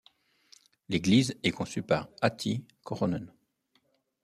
L'église est conçue par Ahti Korhonen.